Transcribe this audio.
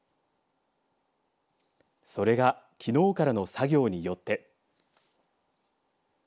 それがきのうからの作業によって。